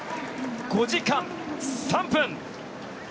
５時間３分。